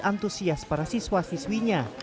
antusias para siswa siswinya